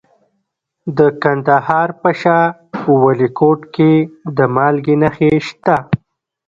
د کندهار په شاه ولیکوټ کې د مالګې نښې شته.